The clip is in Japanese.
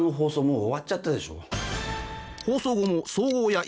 もう終わっちゃったでしょ？